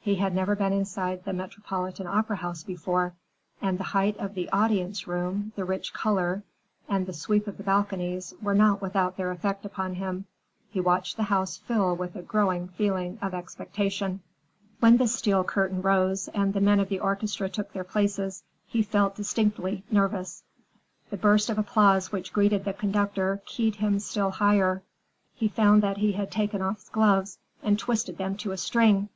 He had never been inside the Metropolitan Opera House before, and the height of the audience room, the rich color, and the sweep of the balconies were not without their effect upon him. He watched the house fill with a growing feeling of expectation. When the steel curtain rose and the men of the orchestra took their places, he felt distinctly nervous. The burst of applause which greeted the conductor keyed him still higher. He found that he had taken off his gloves and twisted them to a string.